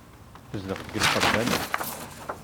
Tezdeɣ deg lqerban-a.